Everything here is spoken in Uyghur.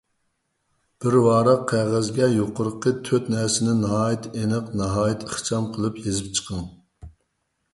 بىر ۋاراق قەغەزگە يۇقىرىقى تۆت نەرسىنى ناھايىتى ئېنىق، ناھايىتى ئىخچام قىلىپ يېزىپ چىقىڭ.